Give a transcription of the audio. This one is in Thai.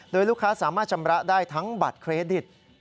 โดยลูกค้าสามารถชำระได้ทั้งบัตรเครดิต